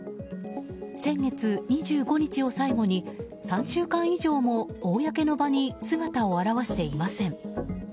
先月２５日を最後に３週間以上も公の場に姿を現していません。